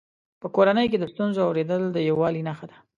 په کورنۍ کې د ستونزو اورېدل د یووالي نښه ده.